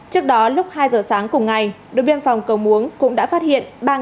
trước đó lúc hai giờ sáng cùng ngày đội biên phòng cầu muống cũng đã phát hiện